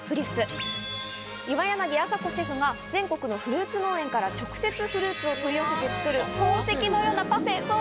岩柳麻子シェフが全国のフルーツ農園から直接フルーツを取り寄せて作る宝石のようなパフェ。